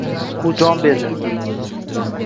U jon berdi…